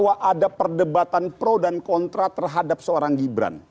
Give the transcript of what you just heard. jadi ada perdebatan pro dan kontra terhadap seorang gibran